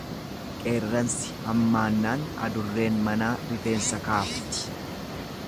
Qeerransi hammaannaan adurreen manaa rifeensa kaafti.